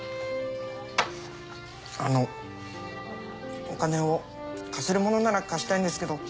あのお金を貸せるものなら貸したいんですけど。